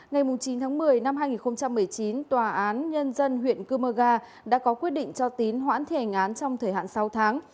ngày chín tháng một mươi năm hai nghìn một mươi chín tòa án nhân dân huyện cơ mơ ga đã có quyết định cho tín hoãn thi hành án trong thời hạn sáu tháng